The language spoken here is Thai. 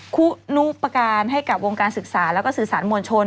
คู่นูประกาศให้กับวงการศึกษาและสื่อสารมวลชน